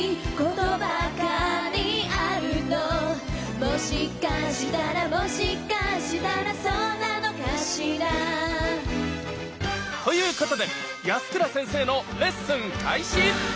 「もしかしたらもしかしたらそうなのかしら」ということで安倉先生のレッスン開始！